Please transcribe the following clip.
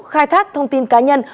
khai thác thông tin cá nhân